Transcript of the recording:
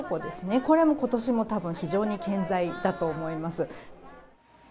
これは、ことしも多分非常に健在だと思います。